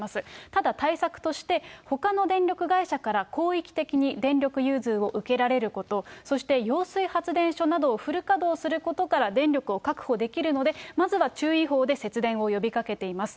ただ対策として、ほかの電力会社から広域的に電力融通を受けられること、そして揚水発電所などをフル稼働することから電力を確保できるので、まずは注意報で節電を呼びかけています。